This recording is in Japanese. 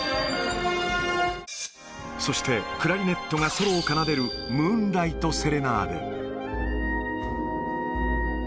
そして、クラリネットがソロを奏でる、ムーンライト・セレナーデ。